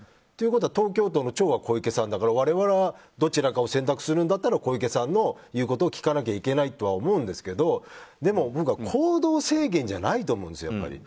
ということは東京都の長は小池さんだから我々はどちらかを選択するなら小池さんの言うことを聞かなきゃいけないと思うんですけど僕は行動制限じゃないと思うんですよ。